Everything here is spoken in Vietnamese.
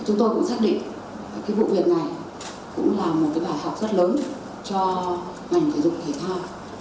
chúng tôi cũng xác định cái vận động viên này cũng là một cái bài học rất lớn cho ngành thể dục thể thao